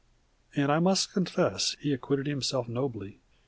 And I must confess he acquitted himself nobly.